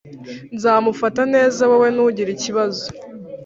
Nzamufata neza wowe ntugire ikibazo